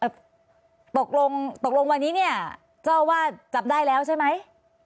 ตกลงวันนี้เนี่ยเจ้าว่าจำได้แล้วใช่ไหม